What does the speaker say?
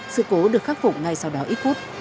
sự cố được khắc phục ngay sau đó ít phút